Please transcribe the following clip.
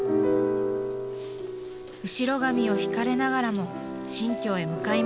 後ろ髪を引かれながらも新居へ向かいます。